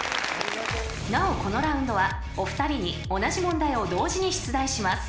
［なおこのラウンドはお二人に同じ問題を同時に出題します］